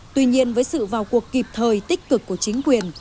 tuy nhiên với sự vào cuộc kịp thời tích cực của chính quyền